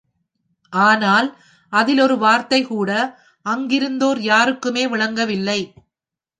ஆனால், அதில் ஒரு வார்த்தை கூட அங்கிருந்தோர் யாருக்குமே விளங்கவில்லை.